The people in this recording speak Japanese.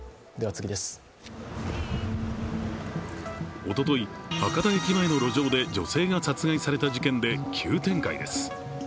おととい博多駅前の路上で女性が殺害された事件で急展開です。